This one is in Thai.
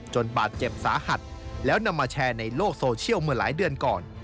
บาดเจ็บสาหัสแล้วนำมาแชร์ในโลกโซเชียลเมื่อหลายเดือนก่อน